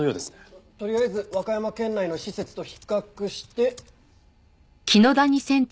とりあえず和歌山県内の施設と比較して。